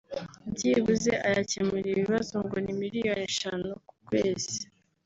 Byibuze ayakemura ibibazo ngo ni miliyoni eshanu ku kwezi